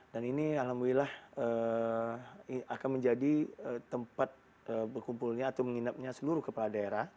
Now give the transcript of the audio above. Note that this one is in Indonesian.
dan ini alhamdulillah akan menjadi tempat berkumpulnya atau menginapnya seluruh kepala daerah